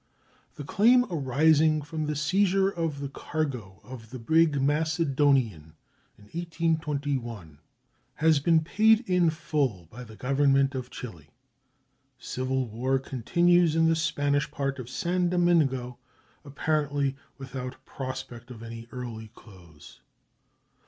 The claim arising from the seizure of the cargo of the brig Macedonian in 1821 has been paid in full by the Government of Chile. Civil war continues in the Spanish part of San Domingo, apparently without prospect of an early close.